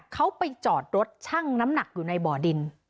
เขาไปจอดรถชั่งน้ำหนักอยู่ในบ่อดิน